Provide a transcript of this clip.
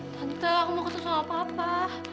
tante aku mau ketemu sama papa